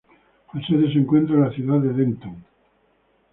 La sede se encuentra en la ciudad de Denton.